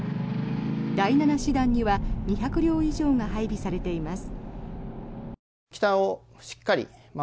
第７師団には２００両以上が配備されています。